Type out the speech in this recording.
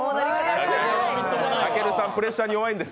たけるさん、プレッシャーに弱いんです。